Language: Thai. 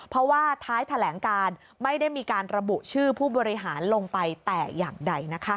เพราะว่าท้ายแถลงการไม่ได้มีการระบุชื่อผู้บริหารลงไปแต่อย่างใดนะคะ